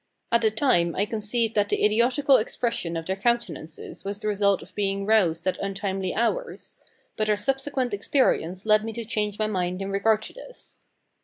At the time I conceived that the idiotical expression of their countenances was the result of being roused at untimely hours; but our subsequent experience led me to change my mind in regard to this.